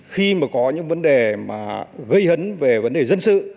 khi mà có những vấn đề mà gây hấn về vấn đề dân sự